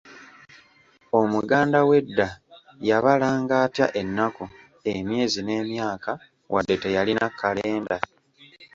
Omuganda w’edda yabalanga atya ennaku, emyezi n’emyaka wadde teyalina kalenda?